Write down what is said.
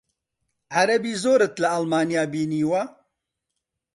عەرەبی زۆرت لە ئەڵمانیا بینیوە؟